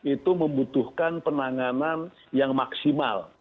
itu membutuhkan penanganan yang maksimal